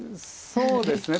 そうですね。